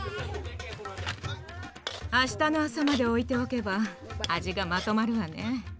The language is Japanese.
明日の朝まで置いておけば味がまとまるわね。